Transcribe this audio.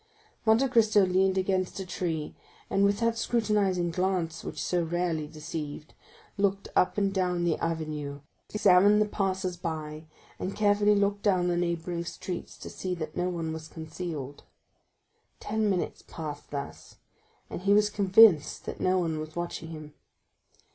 Monte Cristo leaned against a tree, and with that scrutinizing glance which was so rarely deceived, looked up and down the avenue, examined the passers by, and carefully looked down the neighboring streets, to see that no one was concealed. Ten minutes passed thus, and he was convinced that no one was watching him.